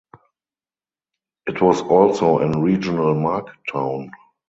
It was also an regional market town.